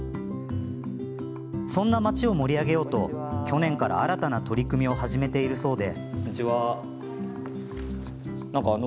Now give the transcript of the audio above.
そんな町を盛り上げようと去年から新たな取り組みを始めているそうで。